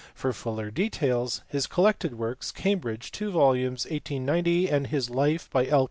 For fuller details, his collected works, Cambridge, two volumes, 1890, and his life by L.